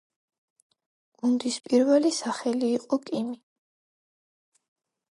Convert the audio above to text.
გუნდის პირველი სახელი იყო „კიმი“.